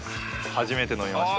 初めて飲みました。